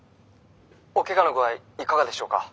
おけがの具合いかがでしょうか？